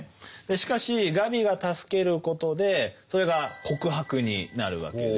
しかしガビが助けることでそれが告白になるわけです。